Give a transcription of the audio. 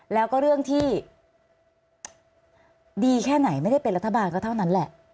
แล้วก็เรื่องที่ดีแค่ไหนไม่ได้เป็นรัฐบาลก็เท่านั้นแหละ